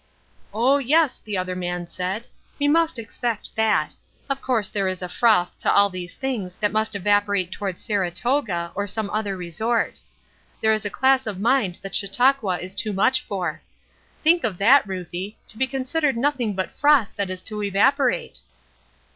'Oh, yes,' the other man said; 'we must expect that. Of course there is a froth to all these things that must evaporate toward Saratoga, or some other resort. There is a class of mind that Chautauqua is too much for.' Think of that, Ruthie, to be considered nothing but froth that is to evaporate!"